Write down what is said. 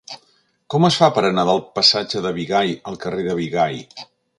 Com es fa per anar del passatge de Bigai al carrer de Bigai?